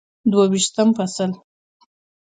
دوه ویشتم فصل